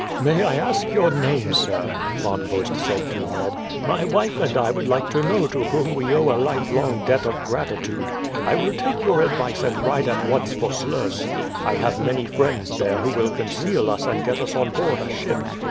"May I ask your name, sir?" Von Bost said to Ned. "My wife and I would like to know to whom we owe a lifelong debt of gratitude. I will take your advice and ride at once for Sluys. I have many friends there who will conceal us and get us on board a ship.